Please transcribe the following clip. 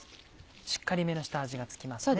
しっかりめの下味が付きますね。